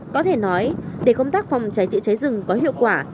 có thể nói để công tác phòng cháy chữa cháy rừng có hiệu quả